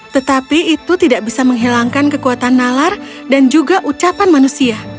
tetapi itu tidak bisa menghilangkan kekuatan nalar dan juga ucapan manusia